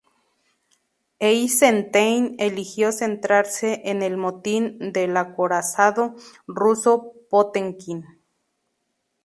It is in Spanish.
Eisenstein eligió centrarse en el motín del acorazado ruso Potemkin.